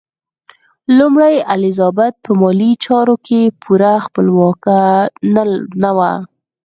لومړۍ الیزابت په مالي چارو کې پوره خپلواکه نه وه.